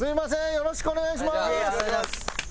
よろしくお願いします！